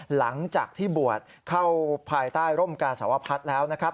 หลังจากที่บวชเข้าภายใต้ร่มกาสวพัฒน์แล้วนะครับ